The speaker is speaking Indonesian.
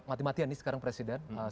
mati matian nih sekarang presiden